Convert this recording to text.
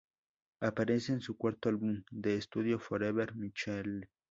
Aparece en su cuarto álbum de estudio Forever, Michael.